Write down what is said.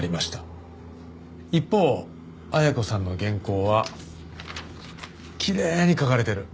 一方恵子さんの原稿はきれいに書かれてる。